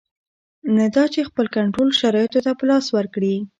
نه دا چې خپل کنټرول شرایطو ته په لاس ورکړي.